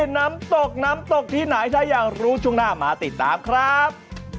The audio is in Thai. น้ำตกน้ำตกที่ไหนถ้าอยากรู้ช่วงหน้ามาติดตามครับ